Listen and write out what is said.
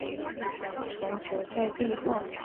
全球在地化。